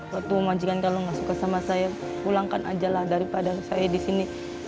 waktu majikan kalau nggak suka sama saya pulangkan aja lah daripada saya di sini